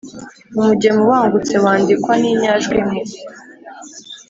umugemo ubangutse wandikwa n’inyajwi imwe.